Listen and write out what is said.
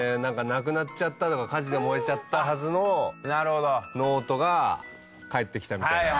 なくなっちゃったとか火事で燃えちゃったはずのノートが返ってきたみたいな。